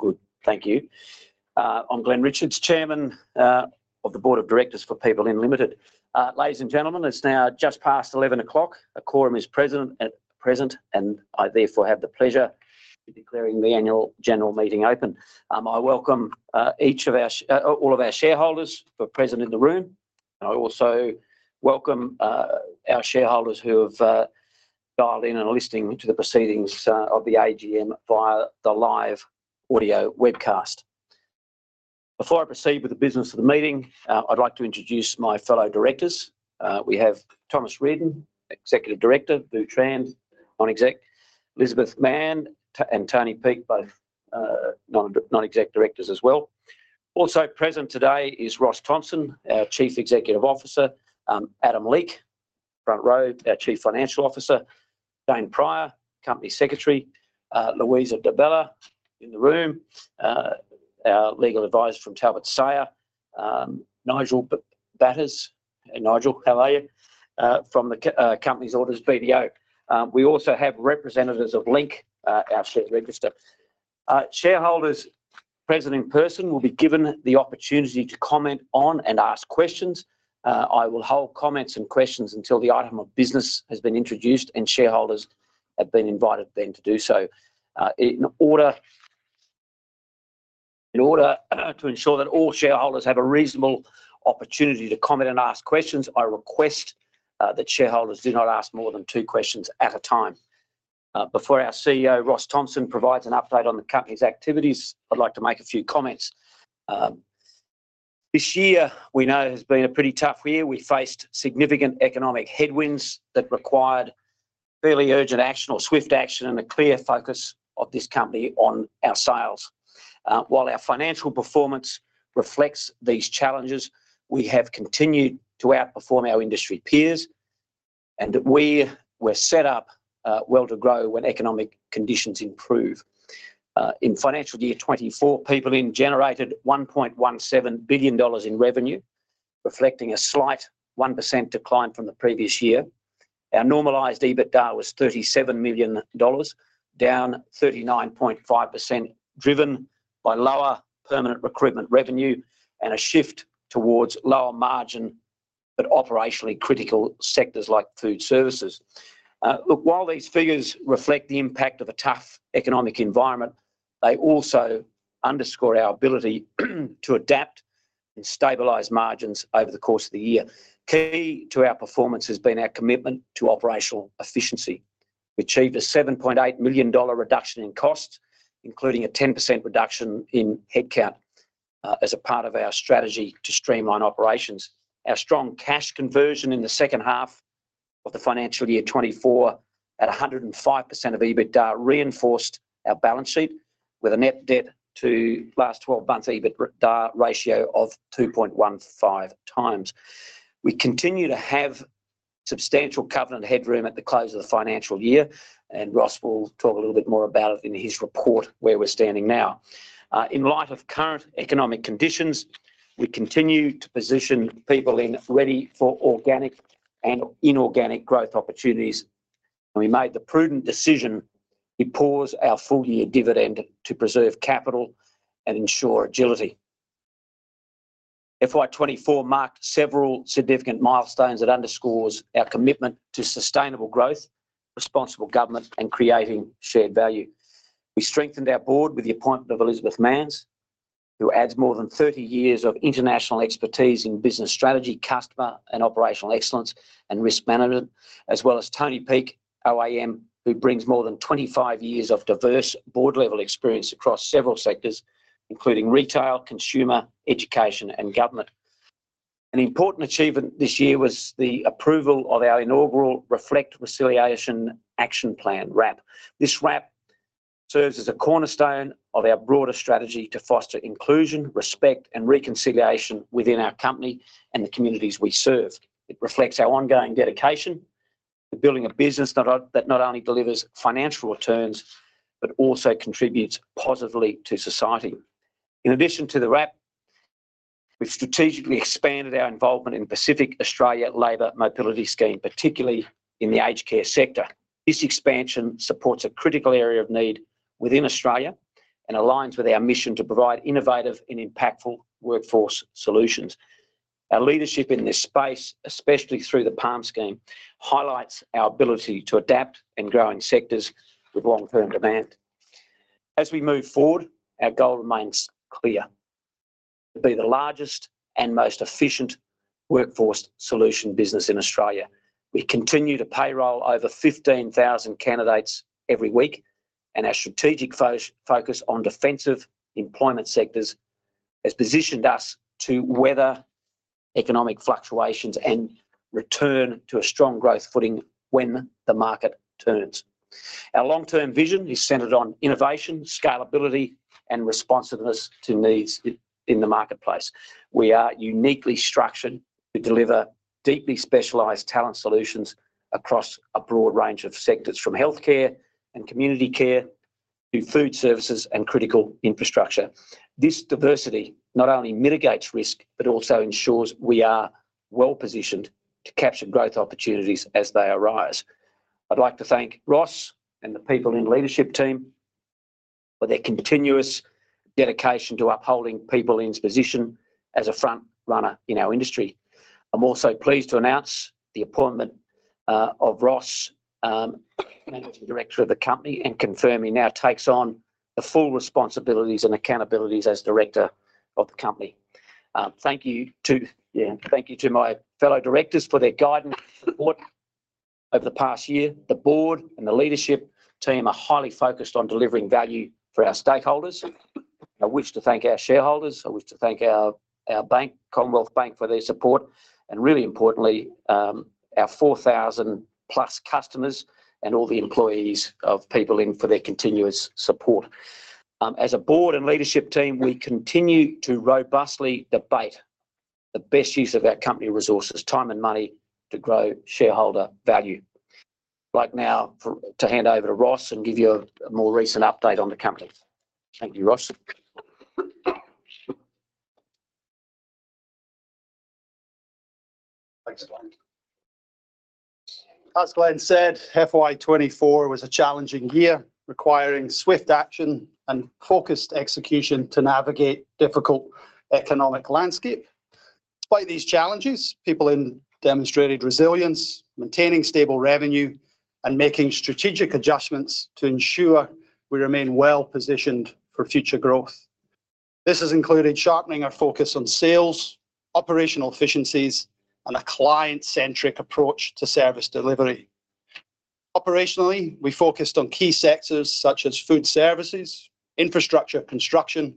All good. Thank you. I'm Glen Richards, Chairman of the Board of Directors for PeopleIn Ltd. Ladies and gentlemen, it's now just past 11:00 A.M. A quorum is present, and I therefore have the pleasure of declaring the Annual General Meeting open. I welcome each of our shareholders who are present in the room, and I also welcome our shareholders who have dialed in and are listening to the proceedings of the AGM via the live audio webcast. Before I proceed with the business of the meeting, I'd like to introduce my fellow directors. We have Thomas Reardon, Executive Director, Vu Tran, non-exec; Elizabeth Mannes and Tony Peake, both non-exec directors as well. Also present today is Ross Thompson, our Chief Executive Officer. Adam Leake, our Chief Financial Officer. Jane Prior, Company Secretary. Luisa Di Bella in the room. Our legal advisor from Talbot Sayer. Nigel Batters, Nigel, how are you? From the company's auditors BDO. We also have representatives of Link Market Services, our share registry. Shareholders present in person will be given the opportunity to comment on and ask questions. I will hold comments and questions until the item of business has been introduced, and shareholders have been invited then to do so. In order to ensure that all shareholders have a reasonable opportunity to comment and ask questions, I request that shareholders do not ask more than two questions at a time. Before our CEO, Ross Thompson, provides an update on the company's activities, I'd like to make a few comments. This year, we know, has been a pretty tough year. We faced significant economic headwinds that required fairly urgent action or swift action and a clear focus of this company on our sales. While our financial performance reflects these challenges, we have continued to outperform our industry peers, and we were set up well to grow when economic conditions improve. In financial year 24, Peoplein generated 1.17 billion dollars in revenue, reflecting a slight 1% decline from the previous year. Our normalized EBITDA was AUD 37 million, down 39.5%, driven by lower permanent recruitment revenue and a shift towards lower margin but operationally critical sectors like food services. Look, while these figures reflect the impact of a tough economic environment, they also underscore our ability to adapt and stabilize margins over the course of the year. Key to our performance has been our commitment to operational efficiency. We achieved a 7.8 million dollar reduction in costs, including a 10% reduction in headcount as a part of our strategy to streamline operations. Our strong cash conversion in the second half of the financial year 2024 at 105% of EBITDA reinforced our balance sheet with a net debt to last 12 months EBITDA ratio of 2.15 times. We continue to have substantial covenant headroom at the close of the financial year, and Ross will talk a little bit more about it in his report, where we're standing now. In light of current economic conditions, we continue to position Peoplein ready for organic and inorganic growth opportunities, and we made the prudent decision to pause our full year dividend to preserve capital and ensure agility. FY 2024 marked several significant milestones that underscore our commitment to sustainable growth, responsible government, and creating shared value. We strengthened our board with the appointment of Elizabeth Mannes, who adds more than 30 years of international expertise in business strategy, customer and operational excellence, and risk management, as well as Tony Peake, OAM, who brings more than 25 years of diverse board-level experience across several sectors, including retail, consumer, education, and government. An important achievement this year was the approval of our inaugural Reflect Reconciliation Action Plan, RAP. This RAP serves as a cornerstone of our broader strategy to foster inclusion, respect, and reconciliation within our company and the communities we serve. It reflects our ongoing dedication to building a business that not only delivers financial returns but also contributes positively to society. In addition to the RAP, we've strategically expanded our involvement in the Pacific Australia Labor Mobility Scheme, particularly in the aged care sector. This expansion supports a critical area of need within Australia and aligns with our mission to provide innovative and impactful workforce solutions. Our leadership in this space, especially through the PALM scheme, highlights our ability to adapt in growing sectors with long-term demand. As we move forward, our goal remains clear: to be the largest and most efficient workforce solution business in Australia. We continue to payroll over 15,000 candidates every week, and our strategic focus on defensive employment sectors has positioned us to weather economic fluctuations and return to a strong growth footing when the market turns. Our long-term vision is centered on innovation, scalability, and responsiveness to needs in the marketplace. We are uniquely structured to deliver deeply specialized talent solutions across a broad range of sectors, from healthcare and community care to food services and critical infrastructure. This diversity not only mitigates risk but also ensures we are well positioned to capture growth opportunities as they arise. I'd like to thank Ross and the Peoplein leadership team for their continuous dedication to upholding Peoplein's position as a front runner in our industry. I'm also pleased to announce the appointment of Ross, Managing Director of the company, and confirm he now takes on the full responsibilities and accountabilities as Director of the company. Thank you to my fellow directors for their guidance and support over the past year. The board and the leadership team are highly focused on delivering value for our stakeholders. I wish to thank our shareholders. I wish to thank our bank, Commonwealth Bank, for their support, and really importantly, our 4,000 plus customers and all the employees of Peoplein for their continuous support. As a board and leadership team, we continue to robustly debate the best use of our company resources, time and money to grow shareholder value. I'd like now to hand over to Ross and give you a more recent update on the company. Thank you, Ross. Thanks, Glen. As Glen said, FY24 was a challenging year requiring swift action and focused execution to navigate the difficult economic landscape. Despite these challenges, Peoplein demonstrated resilience, maintaining stable revenue and making strategic adjustments to ensure we remain well positioned for future growth. This has included sharpening our focus on sales, operational efficiencies, and a client-centric approach to service delivery. Operationally, we focused on key sectors such as food services, infrastructure, construction,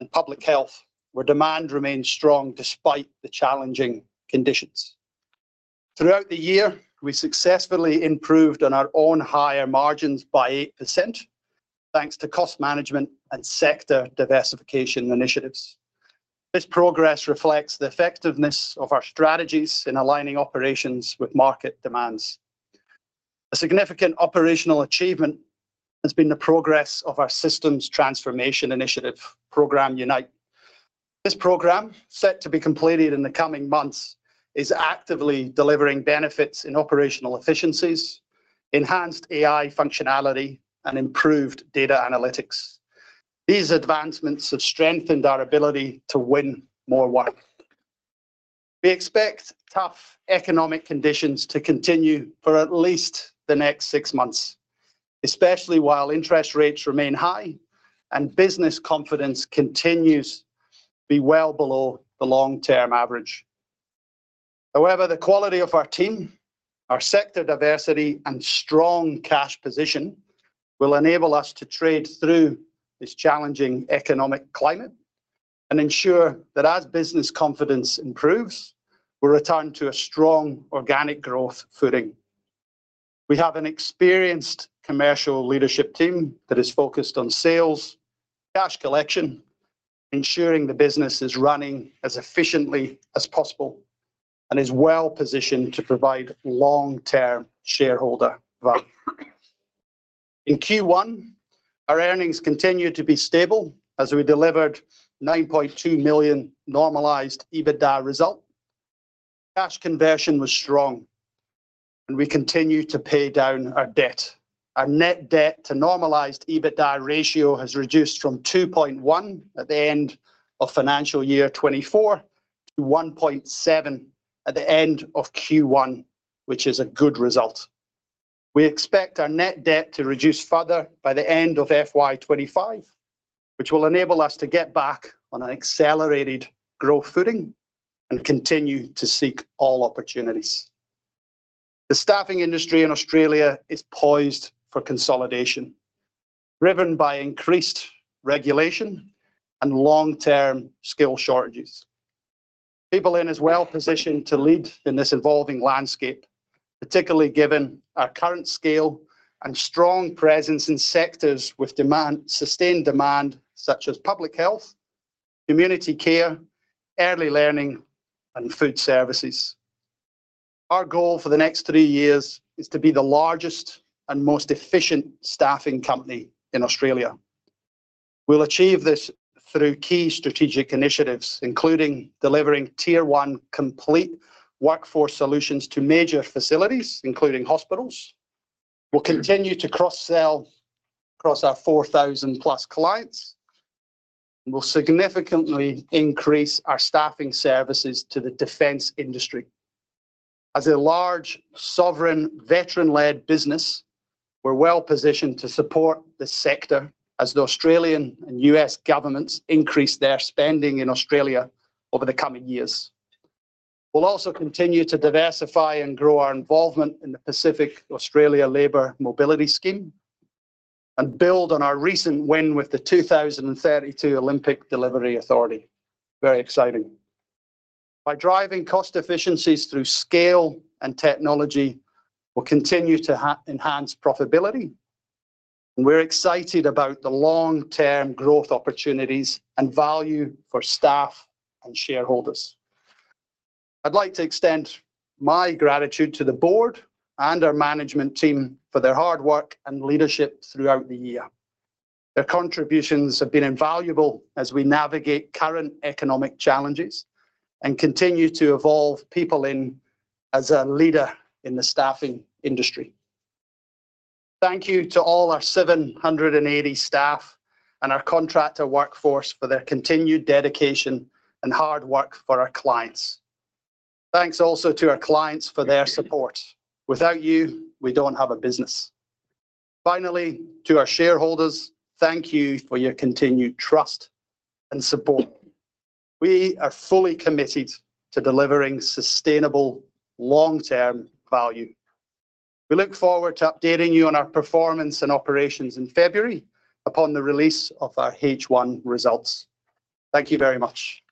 and public health, where demand remained strong despite the challenging conditions. Throughout the year, we successfully improved on our on-hire margins by 8%, thanks to cost management and sector diversification initiatives. This progress reflects the effectiveness of our strategies in aligning operations with market demands. A significant operational achievement has been the progress of our systems transformation initiative, Program Unite. This program, set to be completed in the coming months, is actively delivering benefits in operational efficiencies, enhanced AI functionality, and improved data analytics. These advancements have strengthened our ability to win more work. We expect tough economic conditions to continue for at least the next six months, especially while interest rates remain high and business confidence continues to be well below the long-term average. However, the quality of our team, our sector diversity, and strong cash position will enable us to trade through this challenging economic climate and ensure that as business confidence improves, we return to a strong organic growth footing. We have an experienced commercial leadership team that is focused on sales, cash collection, ensuring the business is running as efficiently as possible and is well positioned to provide long-term shareholder value. In Q1, our earnings continued to be stable as we delivered 9.2 million normalized EBITDA result. Cash conversion was strong, and we continue to pay down our debt. Our net debt to normalized EBITDA ratio has reduced from 2.1 at the end of financial year 2024 to 1.7 at the end of Q1, which is a good result. We expect our net debt to reduce further by the end of FY 2025, which will enable us to get back on an accelerated growth footing and continue to seek all opportunities. The staffing industry in Australia is poised for consolidation, driven by increased regulation and long-term skill shortages. Peoplein is well positioned to lead in this evolving landscape, particularly given our current scale and strong presence in sectors with sustained demand such as public health, community care, early learning, and food services. Our goal for the next three years is to be the largest and most efficient staffing company in Australia. We'll achieve this through key strategic initiatives, including delivering tier one complete workforce solutions to major facilities, including hospitals. We'll continue to cross-sell across our 4,000 plus clients, and we'll significantly increase our staffing services to the defense industry. As a large, sovereign, veteran-led business, we're well positioned to support the sector as the Australian and U.S. governments increase their spending in Australia over the coming years. We'll also continue to diversify and grow our involvement in the Pacific Australia Labor Mobility Scheme and build on our recent win with the 2032 Olympic Delivery Authority. Very exciting. By driving cost efficiencies through scale and technology, we'll continue to enhance profitability, and we're excited about the long-term growth opportunities and value for staff and shareholders. I'd like to extend my gratitude to the board and our management team for their hard work and leadership throughout the year. Their contributions have been invaluable as we navigate current economic challenges and continue to evolve Peoplein as a leader in the staffing industry. Thank you to all our 780 staff and our contractor workforce for their continued dedication and hard work for our clients. Thanks also to our clients for their support. Without you, we don't have a business. Finally, to our shareholders, thank you for your continued trust and support. We are fully committed to delivering sustainable long-term value. We look forward to updating you on our performance and operations in February upon the release of our H1 results. Thank you very much.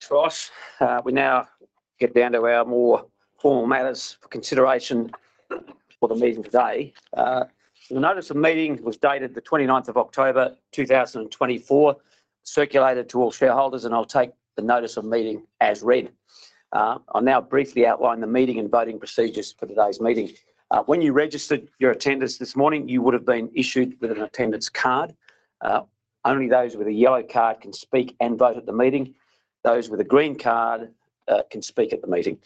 Thanks, Ross. We now get down to our more formal matters for consideration for the meeting today. The notice of meeting was dated the 29th of October, 2024. Circulated to all shareholders, and I'll take the notice of meeting as read. I'll now briefly outline the meeting and voting procedures for today's meeting. When you registered your attendance this morning, you would have been issued with an attendance card. Only those with a yellow card can speak and vote at the meeting. Those with a green card can speak at the meeting.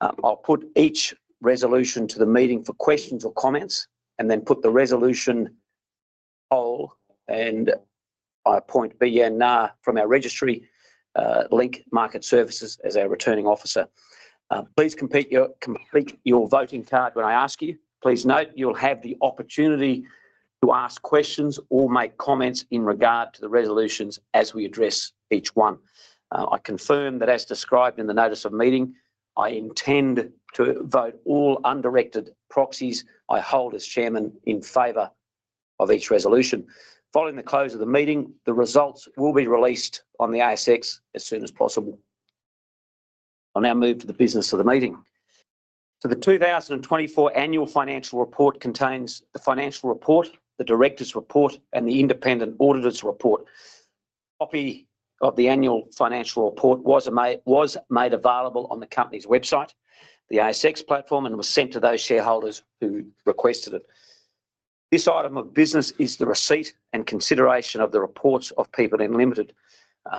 I'll put each resolution to the meeting for questions or comments and then put the resolution poll, and I appoint BNR from our registry, Link Market Services, as our returning officer. Please complete your voting card when I ask you. Please note you'll have the opportunity to ask questions or make comments in regard to the resolutions as we address each one. I confirm that, as described in the notice of meeting, I intend to vote all undirected proxies I hold as chairman in favor of each resolution. Following the close of the meeting, the results will be released on the ASX as soon as possible. I'll now move to the business of the meeting. The 2024 annual financial report contains the financial report, the directors' report, and the independent auditor's report. A copy of the annual financial report was made available on the company's website, the ASX platform, and was sent to those shareholders who requested it. This item of business is the receipt and consideration of the reports of Peoplein Ltd.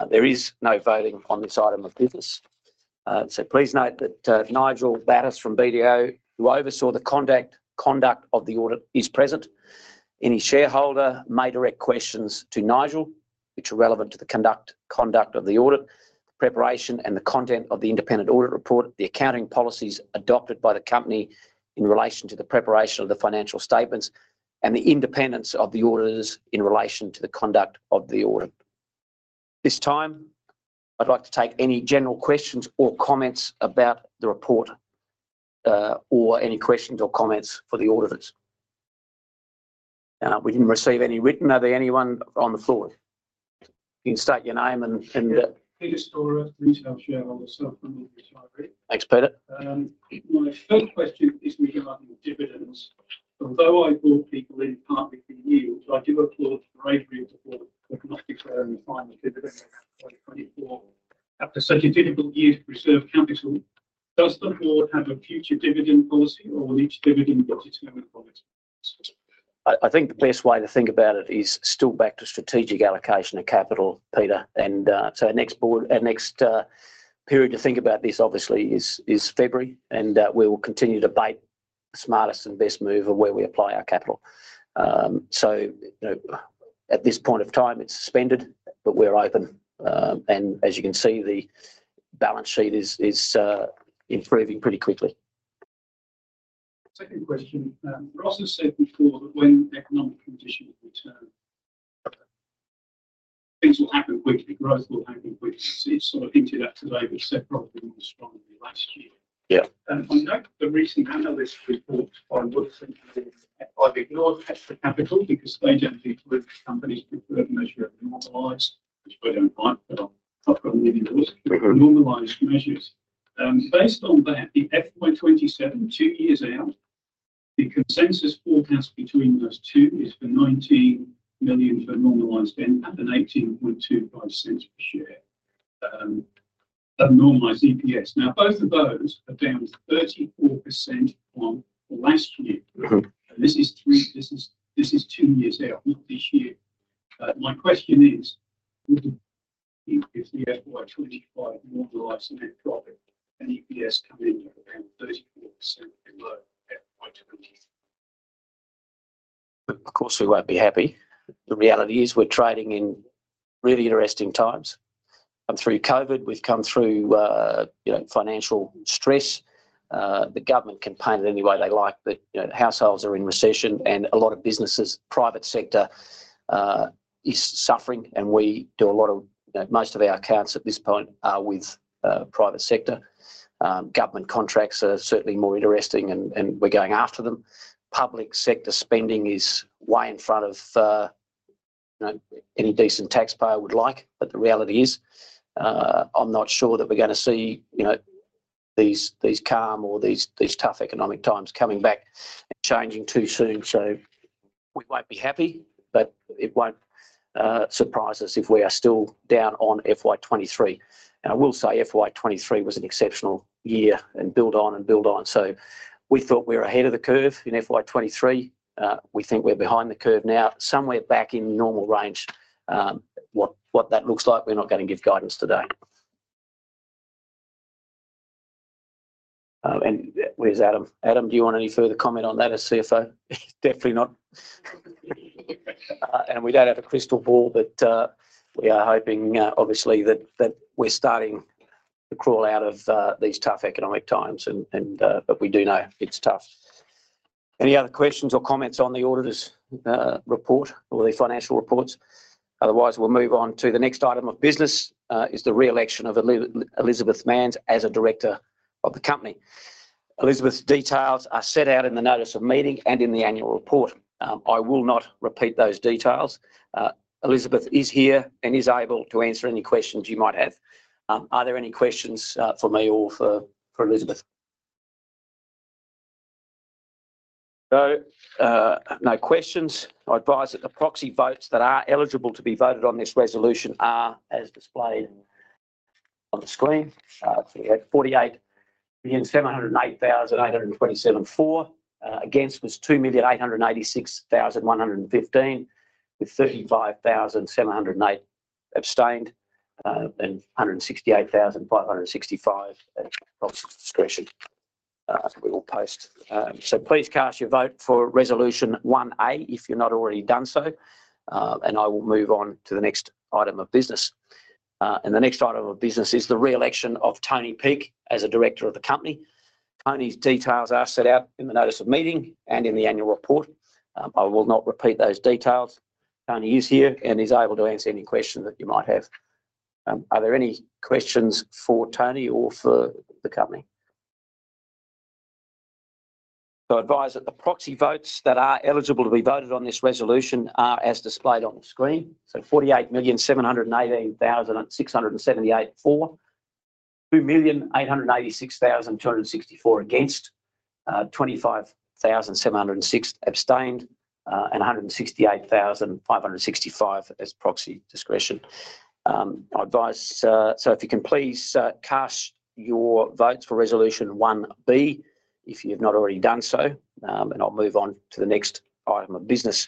There is no voting on this item of business. Please note that Nigel Batters from BDO, who oversaw the conduct of the audit, is present. Any shareholder may direct questions to Nigel, which are relevant to the conduct of the audit, the preparation and the content of the independent audit report, the accounting policies adopted by the company in relation to the preparation of the financial statements, and the independence of the auditors in relation to the conduct of the audit. This time, I'd like to take any general questions or comments about the report or any questions or comments for the auditors. We didn't receive any written. Are there anyone on the floor? You can state your name and. Peter Storer, retail shareholder, self-employed retiree. Thanks, Peter. My first question is regarding dividends. Although I bought Peoplein partly for yield, I do applaud the bravery of the board to not declare a final dividend in 2024. After such a difficult year to preserve capital, does the board have a future dividend policy or will each dividend budget have a quality? I think the best way to think about it is still back to strategic allocation of capital, Peter. And so our next period to think about this, obviously, is February, and we will continue to debate the smartest and best move of where we apply our capital. So at this point of time, it's suspended, but we're open. And as you can see, the balance sheet is improving pretty quickly. Second question. Ross has said before that when economic conditions return, things will happen quickly. Growth will happen quickly. He sort of hinted at today, but it's probably more strong than last year. Yeah. I know the recent analyst report by Wilsons has said, "I've ignored extra capital because they don't think the company's preferred measure of normalized," which I don't like, but I've got a living voice. Normalized measures. Based on that, the FY27, two years out, the consensus forecast between those two is for 19 million for normalized income and 0.1825 per share of normalized EPS. Now, both of those are down 34% from last year. This is two years out, not this year. My question is, would the FY25 normalized net profit and EPS come in at around 34% below FY20? Of course, we won't be happy. The reality is we're trading in really interesting times. Through COVID, we've come through financial stress. The government can paint it any way they like, but households are in recession, and a lot of businesses, private sector, is suffering, and we do a lot of most of our accounts at this point are with private sector. Government contracts are certainly more interesting, and we're going after them. Public sector spending is way in front of any decent taxpayer would like, but the reality is I'm not sure that we're going to see these calm or these tough economic times coming back and changing too soon. So we won't be happy, but it won't surprise us if we are still down on FY23. And I will say FY23 was an exceptional year and built on and built on. So we thought we were ahead of the curve in FY23. We think we're behind the curve now. Somewhere back in normal range. What that looks like, we're not going to give guidance today. And where's Adam? Adam, do you want any further comment on that as CFO? Definitely not. And we don't have a crystal ball, but we are hoping, obviously, that we're starting to crawl out of these tough economic times, but we do know it's tough. Any other questions or comments on the auditor's report or the financial reports? Otherwise, we'll move on to the next item of business, which is the re-election of Elizabeth Mannes as a director of the company. Elizabeth's details are set out in the notice of meeting and in the annual report. I will not repeat those details. Elizabeth is here and is able to answer any questions you might have. Are there any questions for me or for Elizabeth? No questions. I advise that the proxy votes that are eligible to be voted on this resolution are as displayed on the screen, so we had 48,708,827 for. Against was 2,886,115, with 35,708 abstained and 168,565 at proxy discretion. We will pause, so please cast your vote for resolution 1A if you've not already done so, and I will move on to the next item of business, and the next item of business is the re-election of Tony Peake as a director of the company. Tony's details are set out in the notice of meeting and in the annual report. I will not repeat those details. Tony is here and is able to answer any questions that you might have. Are there any questions for Tony or for the company? I advise that the proxy votes that are eligible to be voted on this resolution are as displayed on the screen. So 48,718,678 for, 2,886,264 against, 25,706 abstained, and 168,565 as proxy discretion. If you can please cast your votes for resolution 1B if you've not already done so, and I'll move on to the next item of business.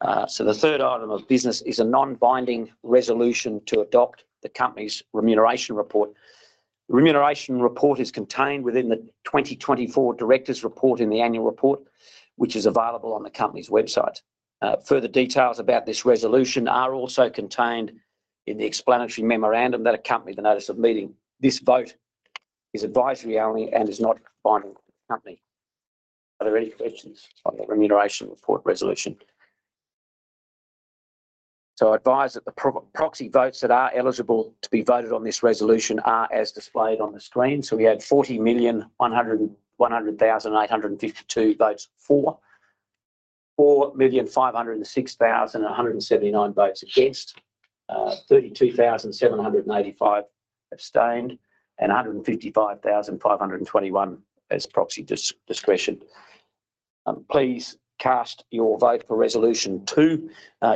The third item of business is a non-binding resolution to adopt the company's remuneration report. The remuneration report is contained within the 2024 director's report in the annual report, which is available on the company's website. Further details about this resolution are also contained in the explanatory memorandum that accompanied the notice of meeting. This vote is advisory only and is not binding to the company. Are there any questions on the remuneration report resolution? I advise that the proxy votes that are eligible to be voted on this resolution are as displayed on the screen. So we had 40,100,852 votes for, 4,506,179 votes against, 32,785 abstained, and 155,521 as proxy discretion. Please cast your vote for resolution 2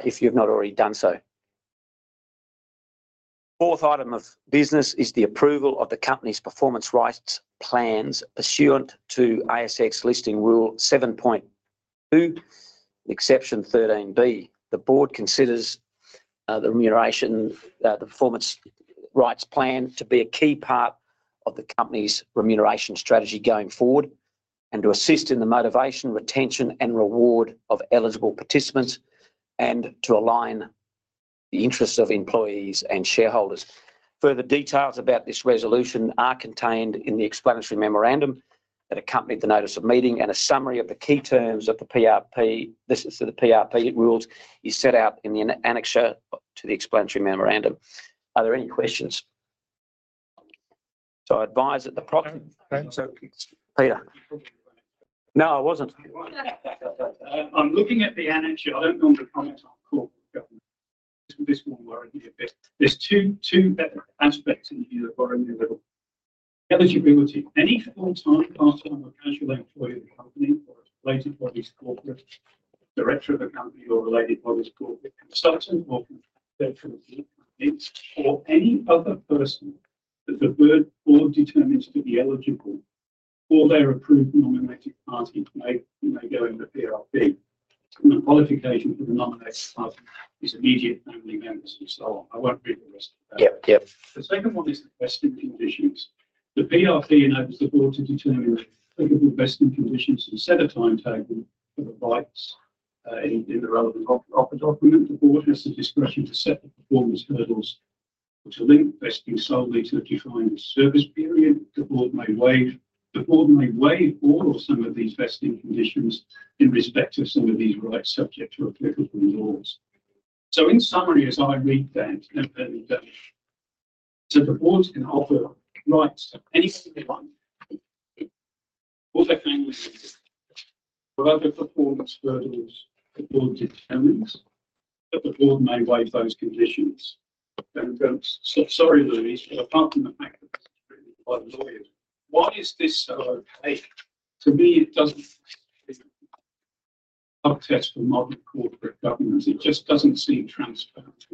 if you've not already done so. Fourth item of business is the approval of the company's performance rights plans pursuant to ASX Listing Rule 7.2, Exception 13B. The board considers the performance rights plan to be a key part of the company's remuneration strategy going forward and to assist in the motivation, retention, and reward of eligible participants and to align the interests of employees and shareholders. Further details about this resolution are contained in the explanatory memorandum that accompanied the notice of meeting, and a summary of the key terms of the PRP rules is set out in the annexure to the explanatory memorandum. Are there any questions? So I advise that the proxy. Thanks, Peter. No, I wasn't. I'm looking at the annexure. I don't know the comments on corporate governance. This one worried me a bit. There's two aspects in here that worry me a little. Eligibility. Any full-time, part-time, or casual employee of the company or a related body corporate, director of a company or related body corporate, consultant or contractor of the company, or any other person that the board determines to be eligible for their approved nominated party may go into PRP. The qualification for the nominated party is immediate family members and so on. I won't read the rest of that. Yep, yep. The second one is the vesting conditions. The PRP enables the board to determine the applicable vesting conditions and set a timetable for the rights in the relevant offer document. The board has the discretion to set the performance hurdles or to link vesting solely to a defined service period. The board may waive all or some of these vesting conditions in respect of some of these rights subject to applicable laws. In summary, as I read that, the board can offer rights to anything they like, all their family members, or other performance hurdles the board determines, but the board may waive those conditions. Sorry, Luisa, but apart from the fact that this is written by lawyers, why is this so opaque? To me, it doesn't seem up to snuff for modern corporate governance. It just doesn't seem transparent.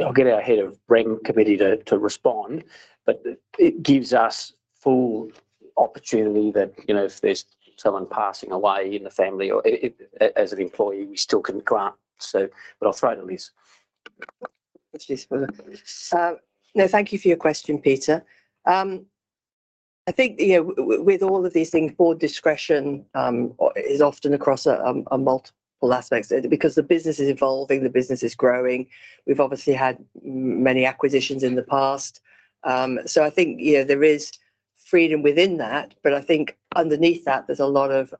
I'll get our head of Remuneration Committee to respond, but it gives us full opportunity that if there's someone passing away in the family or as an employee, we still can grant, but I'll throw it to Luisa. No, thank you for your question, Peter. I think with all of these things, board discretion is often across multiple aspects because the business is evolving, the business is growing. We've obviously had many acquisitions in the past. So I think there is freedom within that, but I think underneath that, there's a lot of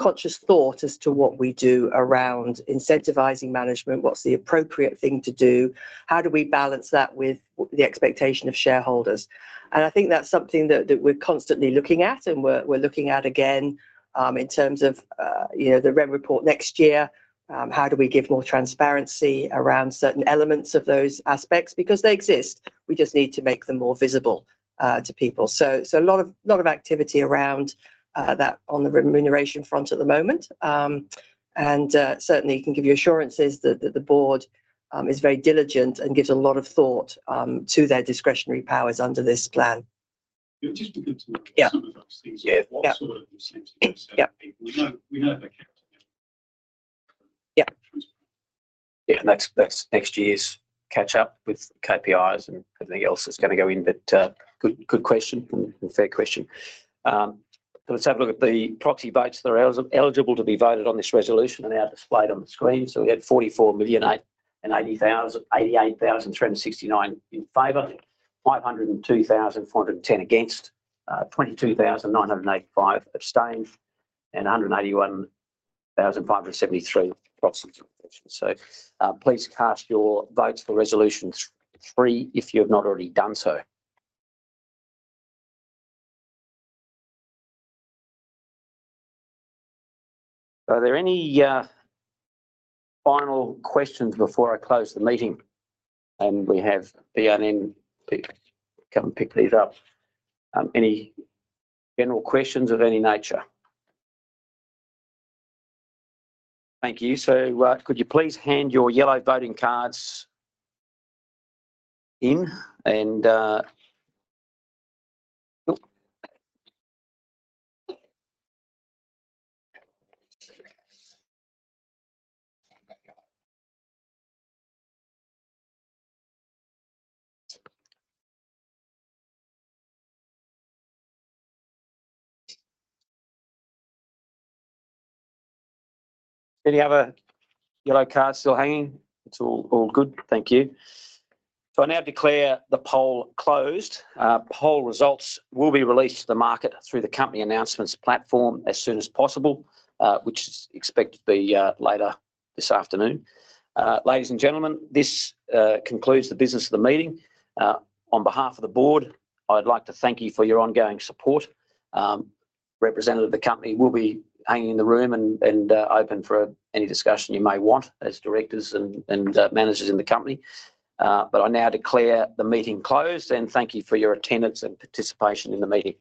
conscious thought as to what we do around incentivizing management, what's the appropriate thing to do, how do we balance that with the expectation of shareholders. And I think that's something that we're constantly looking at and we're looking at again in terms of the REM report next year, how do we give more transparency around certain elements of those aspects because they exist. We just need to make them more visible to people. So a lot of activity around that on the remuneration front at the moment. Certainly, it can give you assurances that the board is very diligent and gives a lot of thought to their discretionary powers under this plan. Just to get to some of those things, what sort of incentives are they? We know they're kept together. Yeah. Yeah, next year's catch-up with KPIs and everything else that's going to go in. But good question and fair question. So let's have a look at the proxy votes. They're eligible to be voted on this resolution and they are displayed on the screen. So we had 44,088,369 in favor, 502,410 against, 22,985 abstained, and 181,573 proxy votes. So please cast your votes for resolution 3 if you have not already done so. Are there any final questions before I close the meeting? And we have Beyon in. Come and pick these up. Any general questions of any nature? Thank you. So could you please hand your yellow voting cards in? And any other yellow cards still hanging? It's all good. Thank you. So I now declare the poll closed. Poll results will be released to the market through the company announcements platform as soon as possible, which is expected to be later this afternoon. Ladies and gentlemen, this concludes the business of the meeting. On behalf of the board, I'd like to thank you for your ongoing support. Representative of the company will be hanging in the room and open for any discussion you may want as directors and managers in the company, but I now declare the meeting closed and thank you for your attendance and participation in the meeting.